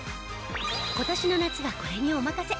今年の夏はこれにお任せ！